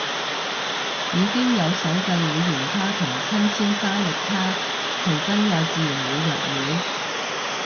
已經有手製會員卡同親簽生日卡，係真愛自然會入會